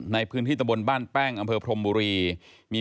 ในพื้นที่ตะบนบ้านแป้งอำเภอพรมบุรีมี